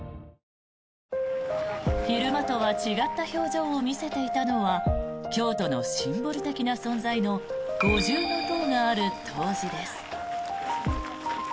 昼間とは違った表情を見せていたのは京都のシンボル的な存在の五重塔がある東寺です。